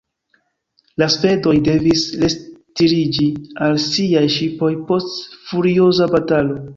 La svedoj devis retiriĝi al siaj ŝipoj post furioza batalo.